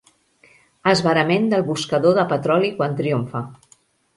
Esverament del buscador de petroli quan triomfa.